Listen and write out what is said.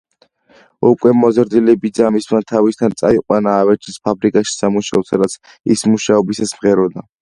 უკვე მოზრდილი ბიძამისმა თავისთან წაიყვანა ავეჯის ფაბრიკაში სამუშაოდ, სადაც ის მუშაობისას მღეროდა.